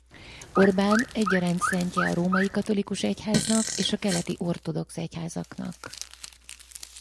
Orbán egyaránt szentje a római katolikus egyháznak és a keleti ortodox egyházaknak.